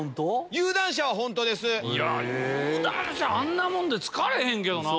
有段者あんなもんで疲れへんけどな。